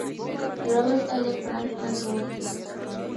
Robert L. Frank nació en St.